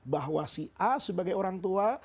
bahwa si a sebagai orang tua